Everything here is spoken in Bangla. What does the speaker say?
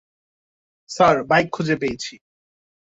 স্যার, বাইক খুঁজে পেয়েছি।